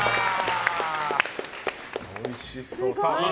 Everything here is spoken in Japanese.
おいしそう。